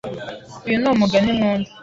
Uyu ni umugani nkunda.